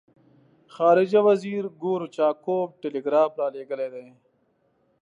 خارجه وزیر ګورچاکوف ټلګراف را لېږلی دی.